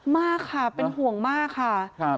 มากค่ะเป็นห่วงมากค่ะ